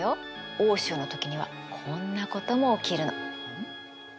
大潮の時にはこんなことも起きるの。